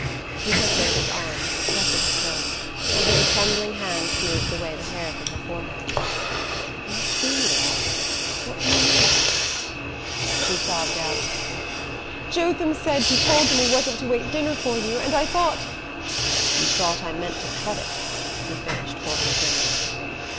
He took her in his arms, pressing her close, and with a trembling hand smoothed away the hair from her forehead. "Not see me again? What do you mean?" She sobbed out: "Jotham said you told him we wasn't to wait dinner for you, and I thought " "You thought I meant to cut it?" he finished for her grimly.